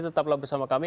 tetaplah bersama kami